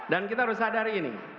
dan kita harus sadar ini